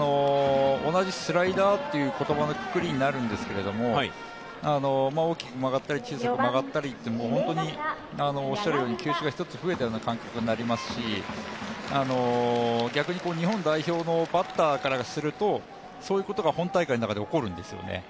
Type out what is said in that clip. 同じスライダーという言葉のくくりになるんですけども大きく曲がったり小さく曲がったり、本当におっしゃるように球種が１つ増えたような感覚になりますし逆に日本代表のバッターからすると、そういうことが本大会の中で起こるんですよね。